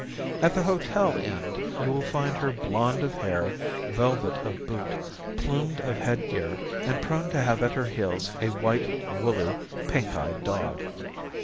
At the hotel end you will find her blonde of hair, velvet of boot, plumed of head gear, and prone to have at her heels a white, woolly, pink eyed dog.